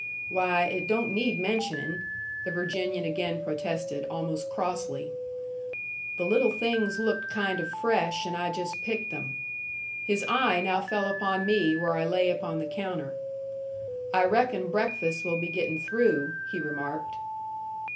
"Why, it don't need mentioning," the Virginian again protested, almost crossly. "The little things looked kind o' fresh, and I just picked them." His eye now fell upon me, where I lay upon the counter. "I reckon breakfast will be getting through," he remarked.